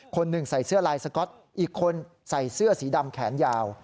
คนหนึ่งใส่เสื้อลายสก๊อตอีกคนใส่เสื้อสีดำแขนยาว